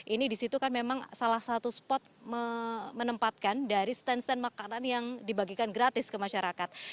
ini disitu kan memang salah satu spot menempatkan dari stand stand makanan yang dibagikan gratis ke masyarakat